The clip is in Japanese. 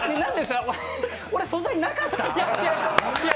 俺、素材なかった？